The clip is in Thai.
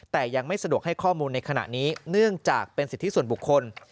แต่ยังไม่สะดวกให้ข้อมูลในขณะนี้เนื่องจากเป็นสิทธิส่วนบุคคล